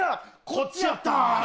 こっちやった！